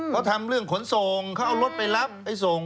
เขาทำเรื่องขนส่งเขาเอารถไปรับไปส่ง